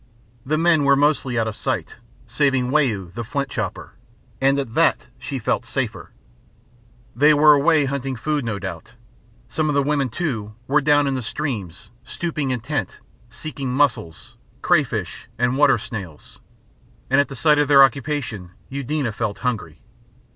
The men were mostly out of sight, saving Wau, the flint chopper; and at that she felt safer. They were away hunting food, no doubt. Some of the women, too, were down in the stream, stooping intent, seeking mussels, crayfish, and water snails, and at the sight of their occupation Eudena felt hungry.